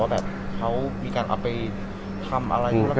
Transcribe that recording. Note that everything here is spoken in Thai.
ว่าแบบเขามีการเอาไปทำอะไร